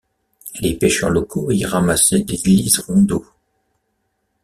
Les pêcheurs locaux y ramassaient des liserons d'eau.